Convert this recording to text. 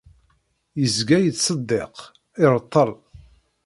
Izga yettseddiq, ireṭṭel.